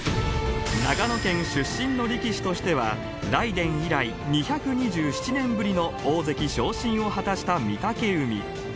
長野県出身の力士としては、雷電以来２２７年ぶりの大関昇進を果たした御嶽海。